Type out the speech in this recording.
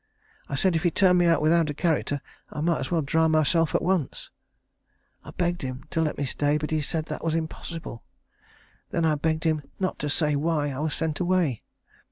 I said if he turned me out without a character I might as well drown myself at once. I begged him to let me stay; but he said that was impossible. Then I begged him not to say why I was sent away.